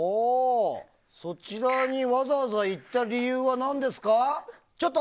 そちらにわざわざ行った理由は何ですか？